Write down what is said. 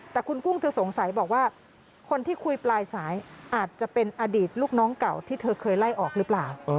แต่คุณกุ้งเธอสงสัยบอกว่าคนที่คุยปลายสายอาจจะเป็นอดีตลูกน้องเก่าที่เธอเคยไล่ออกหรือเปล่า